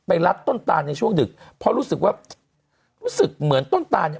รัดต้นตานในช่วงดึกเพราะรู้สึกว่ารู้สึกเหมือนต้นตานเนี่ย